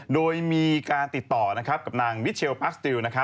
โดยมีการติดต่อกับนางมิเชลปัสติล